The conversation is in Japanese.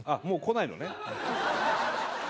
もう来ないのね。